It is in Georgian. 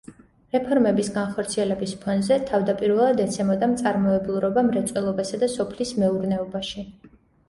რეფორმების განხორციელების ფონზე, თავდაპირველად, ეცემოდა მწარმოებლურობა მრეწველობასა და სოფლის მეურნეობაში.